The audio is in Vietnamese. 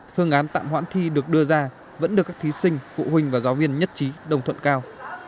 phương án tạm hoãn thi được đưa ra vẫn được các thí sinh phụ huynh và giáo viên nhất trí đồng thuận cao